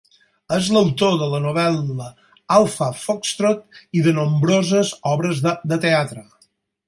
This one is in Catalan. És l'autor de la novel·la "Alpha Foxtrot" i de nombroses obres de teatre.